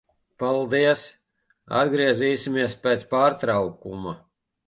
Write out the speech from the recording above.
Paldies. Atgriezīsimies pēc pārtraukuma.